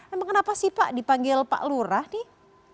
emang kenapa sih pak dipanggil pak lurah nih